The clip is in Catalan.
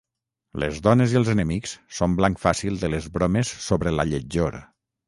Les dones i els enemics són blanc fàcil de les bromes sobre la lletjor.